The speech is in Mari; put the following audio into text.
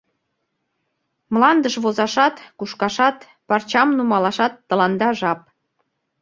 Мландыш возашат, кушкашат, парчам нумалашат тыланда жап.